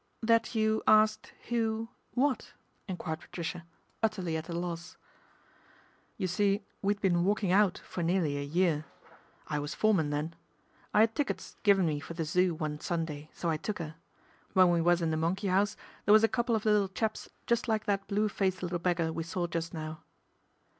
" That you asked who what ?" enquired Patricia, utterly at a loss. " You see we'd been walking out for nearly a year ; I was a foreman then. I 'ad tickets given me for the Zoo one Sunday, so I took 'er. When we was in the monkey house there was a couple of little chaps just like that blue faced little beggar we saw just now."